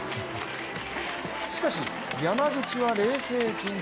しかし山口は冷静沈着。